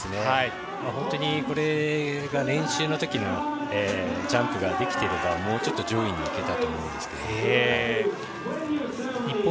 本当にこれが練習のときのジャンプができていればもうっちょっと順位も上げたと思うんですけど。